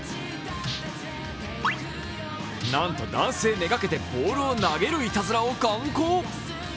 なんと男性めがけてボールを投げるいたずらを敢行。